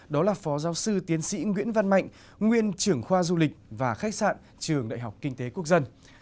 đó là phó giáo sư tiến sĩ nguyễn văn mạnh nguyên trưởng khoa du lịch và khách sạn trường đại học kinh tế quốc dân